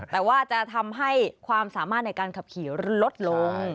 แต่ว่าจะทำให้ความสามารถในการขับขี่ลดลง